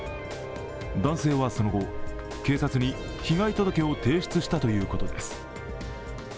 男性はその後、警察に被害届を提出したということです。